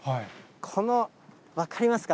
この、分かりますか？